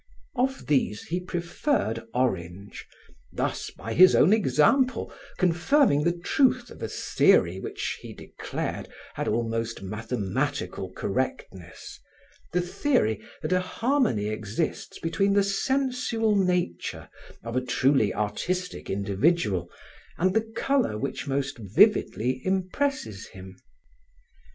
Of these, he preferred orange, thus by his own example confirming the truth of a theory which he declared had almost mathematical correctness the theory that a harmony exists between the sensual nature of a truly artistic individual and the color which most vividly impresses him.